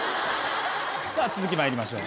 さぁ続きまいりましょう。